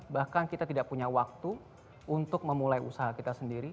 bahkan kita tidak punya waktu untuk memulai usaha kita sendiri